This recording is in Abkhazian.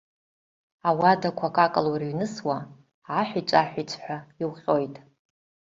Ауадақәа акакала урыҩнысуа, аҳәиҵә-аҳәиҵәҳәа иуҟьоит.